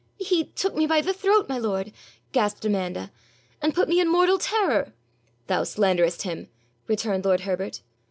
'He took me by the throat, my lord,' gasped Amanda, 'and put me in mortal terror.' 'Thou slanderest him,' returned lord Herbert.